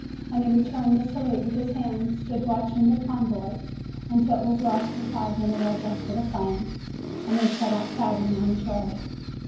And he returned the salute with his hand, stood watching the convoy until it was lost to sight in the red dust of the plain, and then set out sadly on his road.